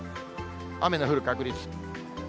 雨の降る確率。